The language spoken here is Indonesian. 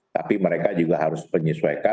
tapi mereka juga harus menyesuaikan